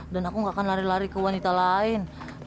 dan aku gak akan lari lari ke wanita lain